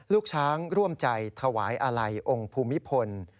ลูกช้างร่วมใจถวายอาลัยองค์ภูมิพล